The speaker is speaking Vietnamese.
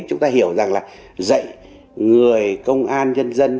chúng ta hiểu rằng là dạy người công an nhân dân